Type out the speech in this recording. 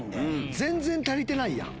全然足りてないやん。